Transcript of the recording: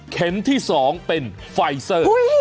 เข็มที่สองเป็นไฟเซอร์